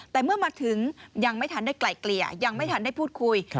แต่เมื่อมาถึงยังไม่ทันได้ไกลเกลี่ยยังไม่ทันได้พูดคุย